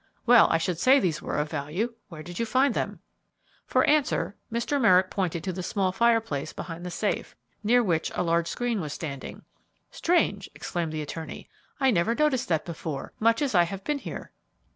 Well, I should say these were of value; where did you find them?" For answer, Mr. Merrick pointed to a small fireplace behind the safe, near which a large screen was standing. "Strange!" exclaimed the attorney. "I never noticed that before, much as I have been here."